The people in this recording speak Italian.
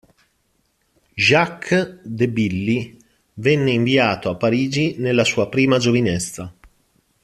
Jacques de Billy venne inviato a Parigi nella sua prima giovinezza.